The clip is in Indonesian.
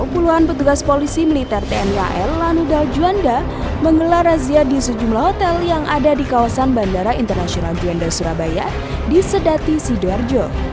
puluhan petugas polisi militer tni al lanuda juanda menggelar razia di sejumlah hotel yang ada di kawasan bandara internasional juanda surabaya di sedati sidoarjo